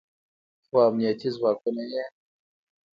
خو امنیتي ځواکونه یې